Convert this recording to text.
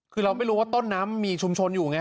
คือเราไม่รู้ว่าต้นน้ำมีชุมชนอยู่ไง